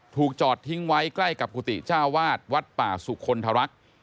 จอดทิ้งไว้ใกล้กับกุฏิเจ้าวาดวัดป่าสุคลทรักษ์